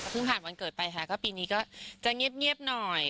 ผ่านวันเกิดไปค่ะก็ปีนี้ก็จะเงียบหน่อย